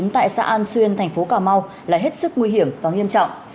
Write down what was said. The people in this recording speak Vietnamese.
tại xã an xuyên tp cà mau là hết sức nguy hiểm và nghiêm trọng